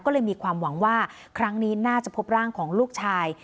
ก็เลยมีความหวังว่าครั้งนี้น่าจะพบร่างของลูกชาย